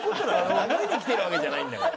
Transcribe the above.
守りにきてるわけじゃないんだから。